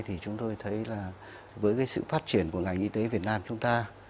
thì chúng tôi thấy là với cái sự phát triển của ngành y tế việt nam chúng ta